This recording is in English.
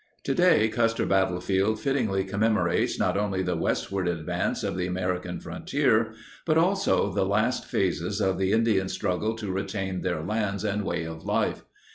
Today Custer Battlefield fittingly commemorates not only the westward advance of the American frontier but also the last phases of the Indians' struggle to retain their lands and way of life.